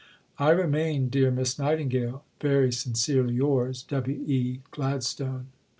I remain, dear Miss Nightingale, Very sincerely yours, W. E. GLADSTONE.